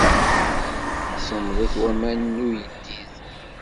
Semmḍit waman n uyeddid.